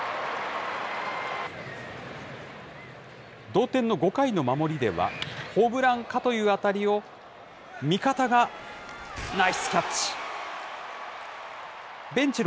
同点の５回の守りでは、ホームランかという当たりを、味方がナイスキャッチ。